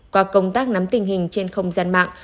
qua công tác nắm tình hình trên không gian mạng